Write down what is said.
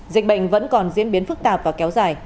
dịch bệnh vẫn còn diễn biến phức tạp và kéo dài